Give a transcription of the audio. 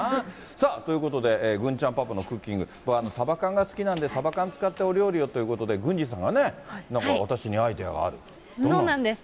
さあ、ということで郡ちゃんパパのクッキング、サバ缶が好きなんで、サバ缶使ったお料理をということで、郡司さんがね、なんか私にアそうなんです。